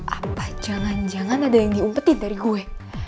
apa jangan jangan ada yang diumpetin dari gue